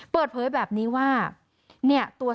เปิดเผยแบบนี้ว่า